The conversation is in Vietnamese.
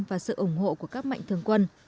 và sự ủng hộ của các mạnh thường quân